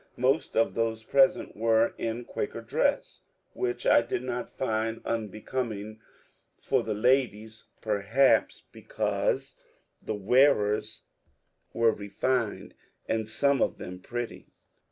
Most of those present were in Quaker dress, which I did not find unbecoming for the ladies, perhaps 104 MONCURE DANIEL CONWAY because the wearers were refined and some of them pretty.